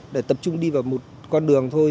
để tập trung đi vào một con đường thôi